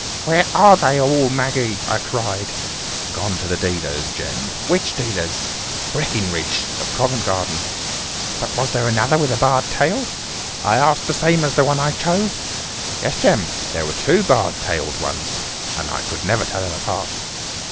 "'Where are they all, Maggie?' I cried. "'Gone to the dealer's, Jem.' "'Which dealer's?' "'Breckinridge, of Covent Garden.' "'But was there another with a barred tail?' I asked, 'the same as the one I chose?' "'Yes, Jem; there were two barred tailed ones, and I could never tell them apart.